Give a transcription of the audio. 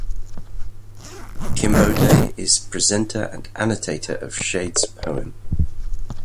Kinbote is the presenter and annotator of Shade's poem.